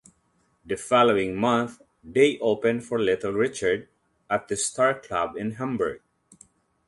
The following month, they opened for Little Richard at the Star Club in Hamburg.